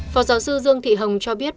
phó giáo sư dương thị hồng cho biết